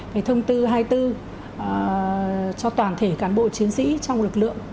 cái thông tư hai mươi bốn cho toàn thể cán bộ chiến sĩ trong lực lượng